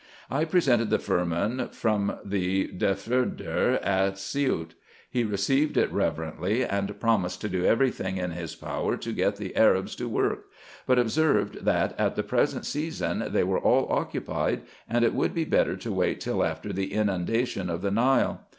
I presented the firman from the Defterdar at Siout. He received it reverently, and promised to do every thing in his power to get the Arabs to work ; but observed that, at the present season, they were all occupied, and it would be better to wait till after the inundation of the Nile.